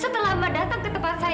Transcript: setelah mau datang ke tempat saya